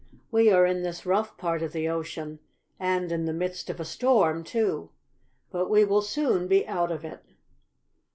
We are in this rough part of the ocean, and in the midst of a storm, too. But we will soon be out of it."